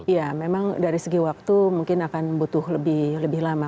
ya memang dari segi waktu mungkin akan butuh lebih lama